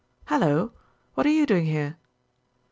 Hallo! What are you doing here?"